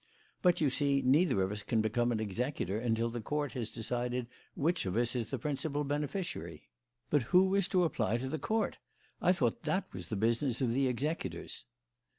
But, you see, neither of us can become an executor until the Court has decided which of us is the principal beneficiary." "But who is to apply to the Court? I thought that was the business of the executors."